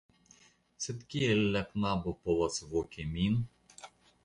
Sed kiel la knabo povas voki min?